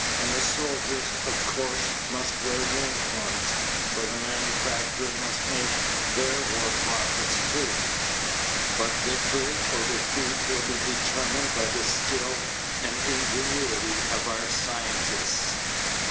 And the soldiers, of course, must wear uniforms, for the manufacturer must make their war profits too. But victory or defeat will be determined by the skill and ingenuity of our scientists.